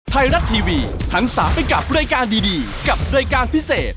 ไทยรัฐทีวีทั้ง๓ไปกับรายการดีกับรายการพิเศษ